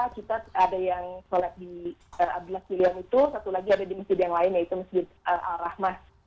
kita ada yang sholat di abdullah julian itu satu lagi ada di masjid yang lain yaitu masjid al rahmah